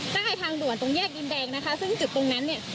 ใต้ทางด่วนตรงแยกดินแดงนะคะซึ่งจุดตรงนั้นเนี่ย